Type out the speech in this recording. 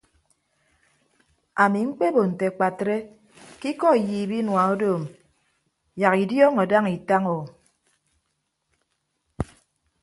Ami mkpebo nte akpatre ke ikọ iyiip inua odoom yak idiọọñọ daña itaña o.